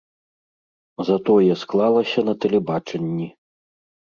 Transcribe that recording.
Затое склалася на тэлебачанні.